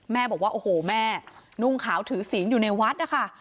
บอกว่าโอ้โหแม่นุ่งขาวถือศีลอยู่ในวัดนะคะ